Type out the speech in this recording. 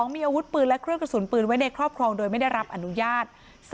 มีอาวุธปืนและเครื่องกระสุนปืนไว้ในครอบครองโดยไม่ได้รับอนุญาต